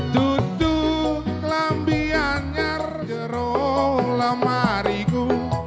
duduk lambi anjar jeruk lemari ku